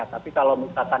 ya tapi kalau misalkan